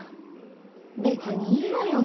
別にいいわよ